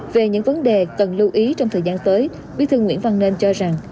về những vấn đề cần lưu ý trong thời gian tới bí thư nguyễn văn nên cho rằng